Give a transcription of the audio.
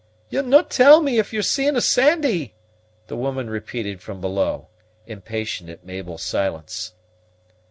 "You no' tell me if you're seeing of Sandy," the woman repeated from below, impatient at Mabel's silence.